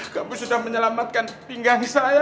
kamu sudah menyelamatkan pinggang saya